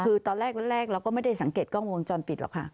คือตอนแรกแรกเราก็ไม่ได้สังเกตกล้องวงจรปิดหรอกค่ะ